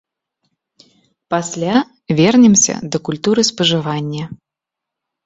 Пасля вернемся да культуры спажывання.